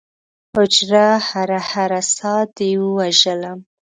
هجره! هره هره ساه دې ووژلم